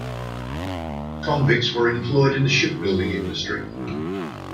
Convicts were employed in the shipbuilding industry.